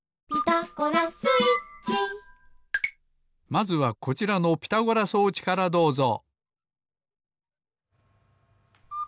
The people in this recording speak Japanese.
まずはこちらのピタゴラ装置からどうぞ。